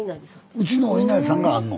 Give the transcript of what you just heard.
うちのおいなりさんがあんの？